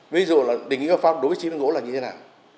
ví dụ là định yêu pháp đối với chiếc bánh gỗ là như thế nào